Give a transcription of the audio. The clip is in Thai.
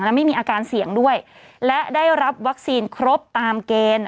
และไม่มีอาการเสี่ยงด้วยและได้รับวัคซีนครบตามเกณฑ์